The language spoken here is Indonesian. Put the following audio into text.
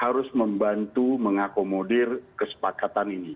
harus membantu mengakomodir kesepakatan ini